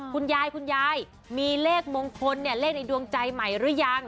คุณยายคุณยายมีเลขมงคลเลขในดวงใจใหม่หรือยัง